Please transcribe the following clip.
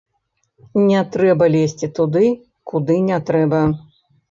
Не трэба лезці туды, куды не трэба!